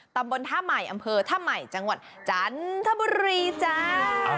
ตำบลท่าใหม่อำเภอท่าใหม่จังหวัดจันทบุรีจ้า